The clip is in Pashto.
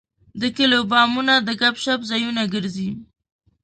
د کلیو بامونه د ګپ شپ ځایونه ګرځي.